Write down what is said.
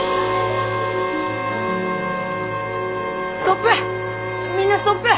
ストップ！